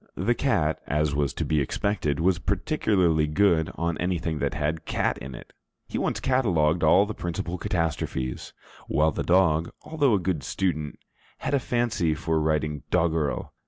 The cat, as was to be expected, was particularly good on anything that had 'cat' in it; he once catalogued all the principal catastrophes; while the dog, although a good student, had a fancy for writing doggerel.